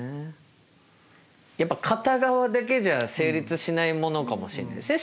やっぱ片側だけじゃ成立しないものかもしれないですね